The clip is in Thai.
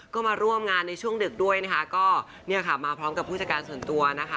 ก็มาร่วมงานในช่วงดึกด้วยนะคะก็เนี่ยค่ะมาพร้อมกับผู้จัดการส่วนตัวนะคะ